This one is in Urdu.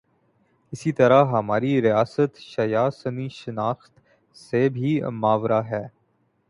اسی طرح ہماری ریاست شیعہ سنی شناخت سے بھی ماورا ہے۔